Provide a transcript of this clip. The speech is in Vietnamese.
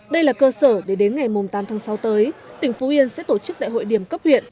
đây là cơ sở để đến ngày tám tháng sáu tới tỉnh phú yên sẽ tổ chức đại hội điểm cấp huyện